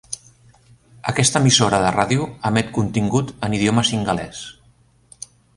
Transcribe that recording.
Aquesta emissora de ràdio emet contingut en idioma singalès.